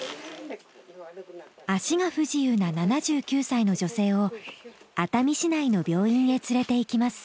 足が不自由な７９歳の女性を熱海市内の病院へ連れていきます。